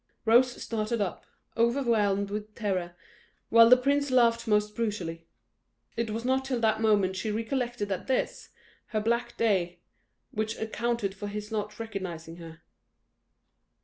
Rose started up, overwhelmed with terror, while the prince laughed most brutally. It was not till that moment she recollected that this her black day, which accounted for his not recognising her.